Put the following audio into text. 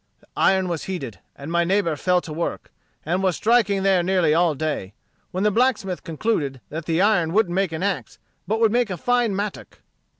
The iron was heated, and my neighbor fell to work, and was striking there nearly all day; when the blacksmith concluded that the iron wouldn't make an axe, but 'twould make a fine mattock.